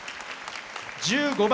１５番